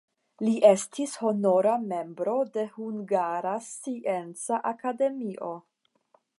Li estis honora membro de Hungara Scienca Akademio.